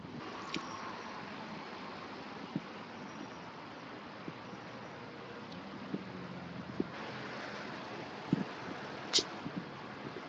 这些在行星表面凝结的甲烷能够更加降低反射率并覆盖任何红色的托林。